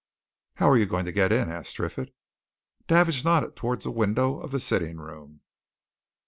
"How are you going to get in?" asked Triffitt. Davidge nodded towards the window of the sitting room.